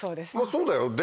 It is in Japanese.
そうだよ。